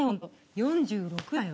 ４６だよ。